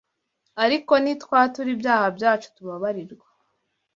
Ariko nitwatura ibyaha byacu tubabarirwa,